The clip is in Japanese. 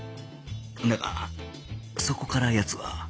だがそこから奴は